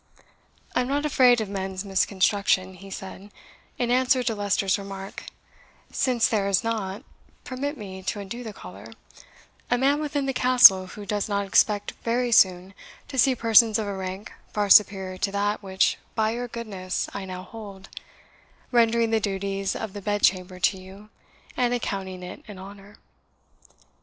"I am not afraid of men's misconstruction," he said, in answer to Leicester's remark, "since there is not (permit me to undo the collar) a man within the Castle who does not expect very soon to see persons of a rank far superior to that which, by your goodness, I now hold, rendering the duties of the bedchamber to you, and accounting it an honour."